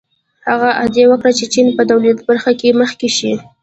هغه ادعا وکړه چې چین به د تولید په برخه کې مخکې شي.